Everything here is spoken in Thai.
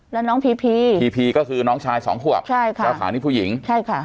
แล้วน้องพีพีพีพีก็คือน้องชายสองขวบใช่ค่ะเจ้าขานี่ผู้หญิงใช่ค่ะ